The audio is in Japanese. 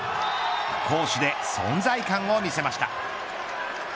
攻守で存在感を見せました。